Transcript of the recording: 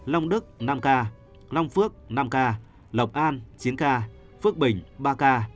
long đức năm ca long phước năm ca lộc an chín ca phước bình ba ca